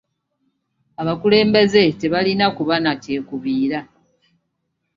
Abakulembeze tebalina kuba na kyekubiira.